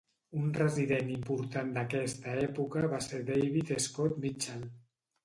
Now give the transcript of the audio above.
Un resident important d'aquesta època va ser David Scott Mitchell.